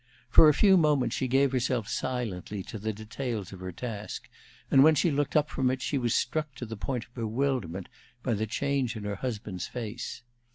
For a few moments she gave herself silently to the details of her task, and when she looked up from it she was struck to the point of bewilderment by the change in her husband's face.